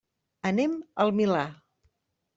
Anem al Milà.